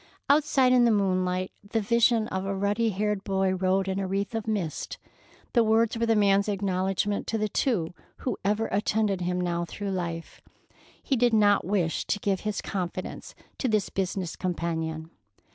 Outside in the moonlight, the vision of a ruddy haired boy rode in a wreath of mist. The words were the man's acknowledgment to the two who ever attended him now through life. He did not wish to give his confidence to this business companion.